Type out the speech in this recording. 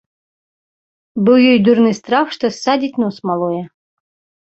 Быў ёй дурны страх, што ссадзіць нос малое.